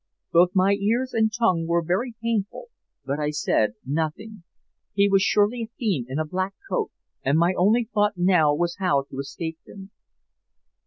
Both my ears and tongue were very painful, but I said nothing. He was surely a fiend in a black coat, and my only thought now was how to escape him.